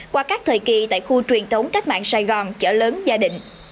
qua các thời kỳ tại khu truyền thống cách mạng sài gòn chợ lớn gia đình